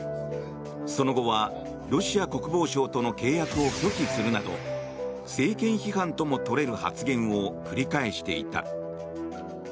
その後は、ロシア国防省との契約を拒否するなど政権批判ともとれる発言を繰り返していた。